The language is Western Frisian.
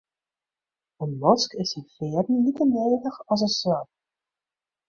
In mosk is syn fearen like nedich as in swan.